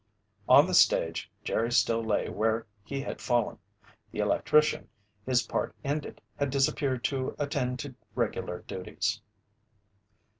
On the stage, Jerry still lay where he had fallen. The electrician, his part ended, had disappeared to attend to regular duties.